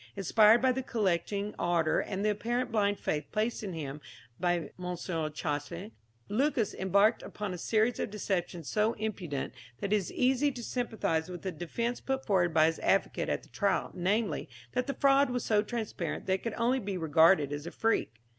Inspired by the collecting ardour and the apparent blind faith placed in him by M. Chasles, Lucas embarked upon a series of deceptions so impudent, that it is easy to sympathise with the defence put forward by his advocate at the trial, namely, that the fraud was so transparent that it could only be regarded as a freak.